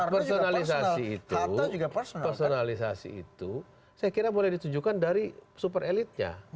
personalisasi itu personalisasi itu saya kira boleh ditujukan dari super elitnya